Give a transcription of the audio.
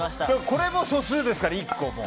これも素数ですから、１個も。